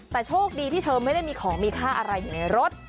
แต่โชคดีที่เธอไม่ได้มีของมีค่าอะไรอยู่ในรถ